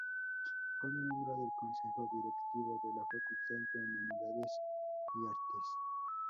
Fue miembro del Consejo Directivo de la Facultad de Humanidades y Artes.